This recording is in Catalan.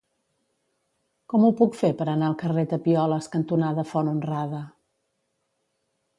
Com ho puc fer per anar al carrer Tapioles cantonada Font Honrada?